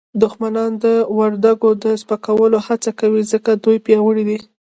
دښمنان د وردګو د سپکولو هڅه کوي ځکه دوی پیاوړي دي